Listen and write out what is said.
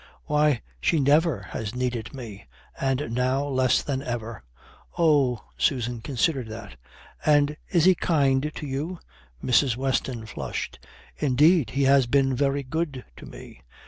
"Why, she never has needed me. And now less than ever." "Oh." Susan considered that. "And is he kind to you?" Mrs. Weston flushed. "Indeed he has been very good to me."